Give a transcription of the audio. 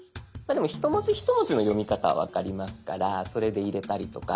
一文字一文字の読み方分かりますからそれで入れたりとか。